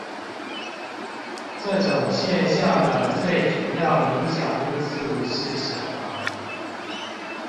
這種現象的最主要影響因素是什麼？